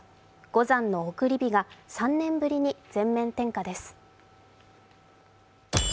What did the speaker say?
五山送り火が３年ぶりに全面点火です。